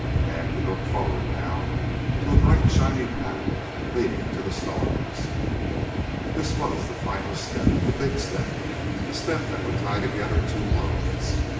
Man could look forward now, to a bright shiny path leading to the stars. This was the final step. The Big Step. The step that would tie together two worlds.